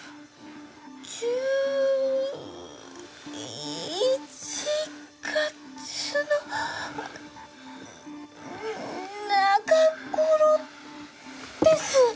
１１月のんん中頃です。